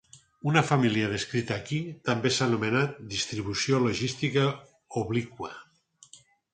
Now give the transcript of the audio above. Una família descrita aquí també s'ha anomenat distribució logística obliqua.